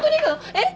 えっ？